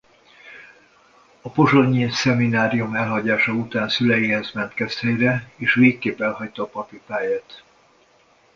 A pozsonyi szeminárium elhagyása után szüleihez ment Keszthelyre és végképp elhagyta a papi pályát.